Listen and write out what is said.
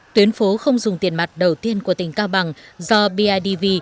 tuyến phố không dùng tiền mặt đầu tiên của tỉnh cao bằng do bidv